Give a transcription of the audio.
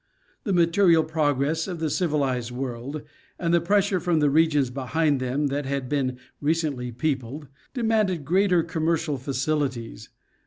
The material progress of the civilized world, and the pressure from the regions behind them that had been recently peopled, demanded greater commercial facilities.